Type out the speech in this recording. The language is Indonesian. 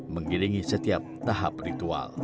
mengiringi setiap tahap ritual